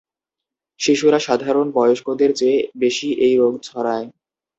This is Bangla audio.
শিশুরা সাধারণ বয়স্কদের চেয়ে বেশি এই রোগ ছড়ায়।